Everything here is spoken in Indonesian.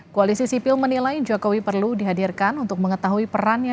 koalisi sipil menilai jokowi perlu dihadirkan untuk mengetahui perannya